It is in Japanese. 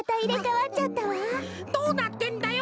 どうなってんだよ